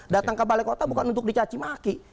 datang ke balai kota bukan untuk dicacimaki